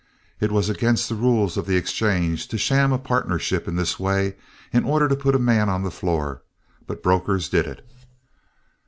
It was against the rules of the exchange to sham a partnership in this way in order to put a man on the floor, but brokers did it.